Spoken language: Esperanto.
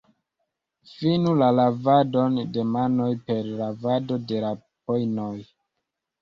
Finu la lavadon de manoj per lavado de la pojnoj.